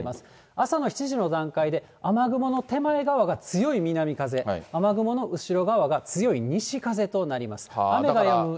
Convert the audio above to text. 朝の７時の段階で、雨雲の手前側が強い南風、雨雲の後ろ側が強い西風となります。